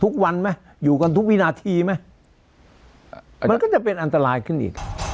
ทุกวันไหมอยู่กันทุกวินาทีไหมมันก็จะเป็นอันตรายขึ้นอีก